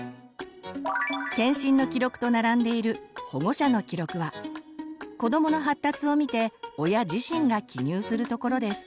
健診の記録と並んでいる保護者の記録は子どもの発達を見て親自身が記入するところです。